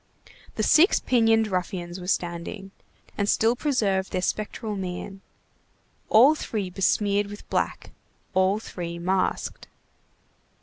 The six pinioned ruffians were standing, and still preserved their spectral mien; all three besmeared with black, all three masked.